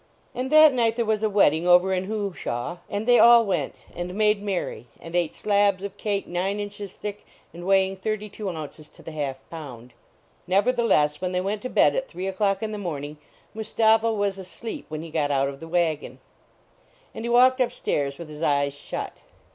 And that night there was a wedding over in Hooshaw, and they all went, and made merry, and ate slabs of cake nine inches thick and weighing thirty two ounces to the half pound. Nevertheless, when they went to bed at three o clock in the morning, Mustapha was asleep when he got out of the wagon. And 192 THE VACATION OF MUSTAPHA he walked up stairs with his eyes shut.